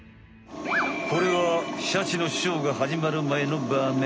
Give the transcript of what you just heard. これはシャチのショーが始まる前の場面。